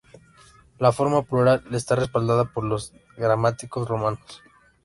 La forma plural está respaldada por los gramáticos romanos.